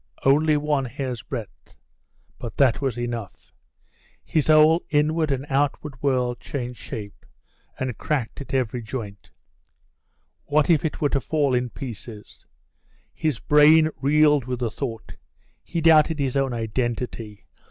Only one hair's breadth. But that was enough; his whole inward and outward world changed shape, and cracked at every joint. What if it were to fall in pieces? His brain reeled with the thought. He doubted his own identity.